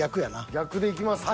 逆でいきますか。